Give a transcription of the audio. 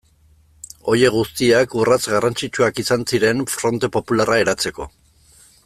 Horiek guztiak urrats garrantzitsuak izan ziren Fronte Popularra eratzeko.